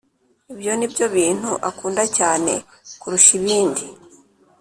ibyo nibyo bintu akunda cyane kurusha ibindi